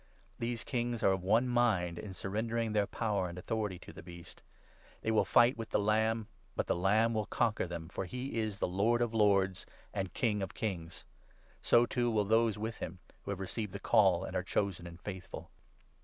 These kings are of one mind in surrendering 13 their power and authority to the Beast. They will fight with 14 the Lamb, but the Lamb will conquer them, for he is Lord of lords and King of kings ; so, too, will those with him who have received the Call and are chosen and faithful.